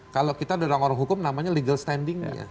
kalau kita orang orang hukum namanya legal standingnya